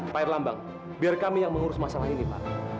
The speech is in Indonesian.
pak erlambang biar kami yang mengurus masalah ini pak